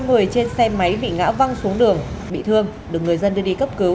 một người trên xe máy bị ngã văng xuống đường bị thương được người dân đưa đi cấp cứu